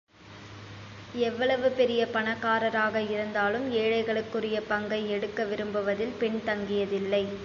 எவ்வளவு பெரிய பணக்காரராக இருந்தாலும் ஏழைகளுக்குரிய பங்கை எடுக்க விரும்புவதில் பின்தங்கியதில்லை.